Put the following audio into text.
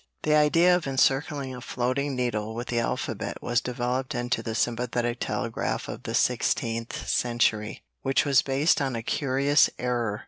The idea of encircling a floating needle with the alphabet was developed into the sympathetic telegraph of the sixteenth century, which was based on a curious error.